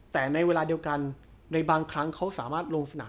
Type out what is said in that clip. แต่ในเวลาเดียวกันในบางครั้งเขาสามารถลงสนาม